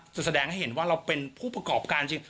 แสดงให้เห็นว่าเราเป็นผู้ประกอบการจริง